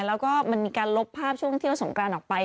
แล้วก็มันมีการลบภาพช่วงเที่ยวสงกรานออกไป